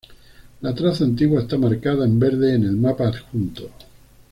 La traza antigua está marcada en verde en el mapa adjunto.